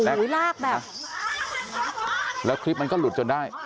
ลากแบบแล้วคลิปมันก็หลุดจนได้